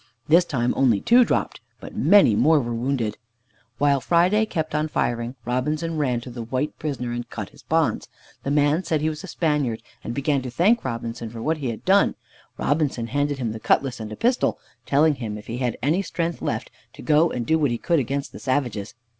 This time only two dropped, but many more were wounded. While Friday kept on firing, Robinson ran to the white prisoner and cut his bonds. The man said he was a Spaniard and began to thank Robinson for what he had done. Robinson handed him the cutlass and a pistol, telling him, if he had any strength left, to go and do what he could against the savages.